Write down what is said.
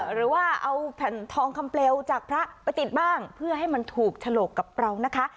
หรือว่าเอาแผ่นทองคำเปลวจากพระไปติดบ้างเพื่อให้มันถูกฉลกกับเรานะคะ